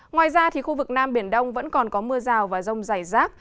ngoài ra khu vực nam biển đông vẫn còn có mưa rào và rông dày rác